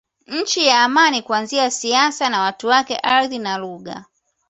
Nchi ya Amani Kuanzia siasa na watu wake ardhi na lugha